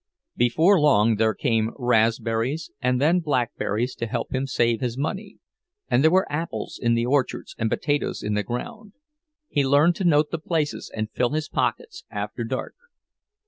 Before long there came raspberries, and then blackberries, to help him save his money; and there were apples in the orchards and potatoes in the ground—he learned to note the places and fill his pockets after dark.